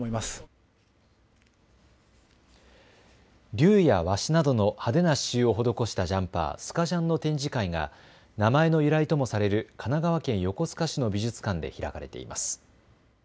竜やわしなどの派手な刺しゅうを施したジャンパー、スカジャンの展示会が名前の由来ともされる神奈川県横須賀市の美術館で開かれています。